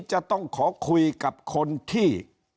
จะต้องขอคุยกับคนที่